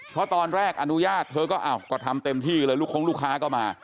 เพราะตอนแรกอนุญาตเธอก็อ้าวก็ทำเต็มที่เลยลูกคงลูกค้าก็มา